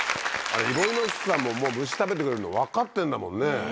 イボイノシシさんも虫食べてくれるの分かってるんだもんね。